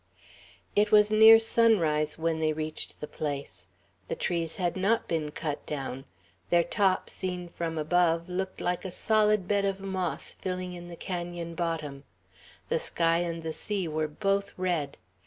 It was near sunrise when they reached the place. The trees had not been cut down. Their tops, seen from above, looked like a solid bed of moss filling in the canon bottom. The sky and the sea were both red.